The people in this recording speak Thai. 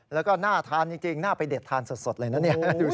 แล้วก็น่าทานจริงน่าไปเด็ดทานสดเลยนะเนี่ยดูสิ